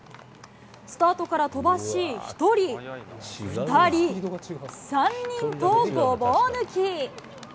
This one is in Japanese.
スタートから飛ばし、１人、２人、３人とごぼう抜き。